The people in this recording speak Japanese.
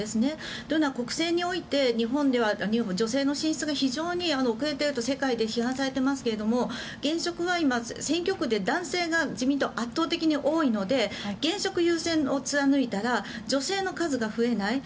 というのは国政においては日本では女性の進出が非常に遅れていると世界から批判されていますが現職は今、選挙区で男性が自民党は圧倒的に多いので現職優先を貫いたら女性の数が増えない。